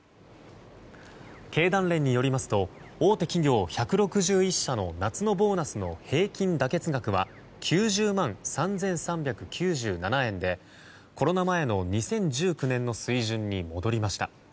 経団連によりますと大手企業１６１社の夏のボーナスの平均妥結額は９０万３３９７円でコロナ前の２０１９年の水準に戻りました。